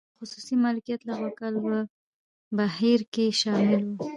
د خصوصي مالکیت لغوه کول په بهیر کې شامل و.